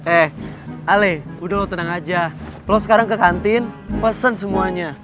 eh ale udah lo tenang aja lo sekarang ke kantin pesan semuanya